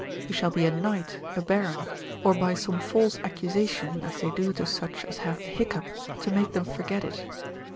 He shall be a knight, a baron; or by some false accusation, as they do to such as have the hiccup, to make them forget it.